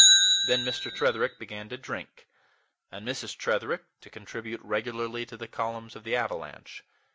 Then Mr. Tretherick began to drink, and Mrs. Tretherick to contribute regularly to the columns of the AVALANCHE.